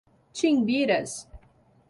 Timbiras